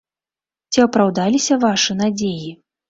Ці апраўдаліся вашы надзеі?